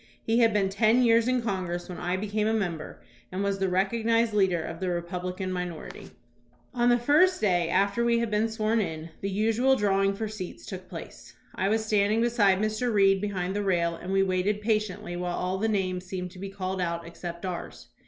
He had been ten years in Congress when I became a member, and was the recognized leader of the Republican minority. THOMAS BRACKETT REED 195 On the first day after we had been sworn in, the usual drawing for seats took place. I was standing beside Mr. Reed behind the rail, and we waited pa tiently while all the names seemed to be called out except ours.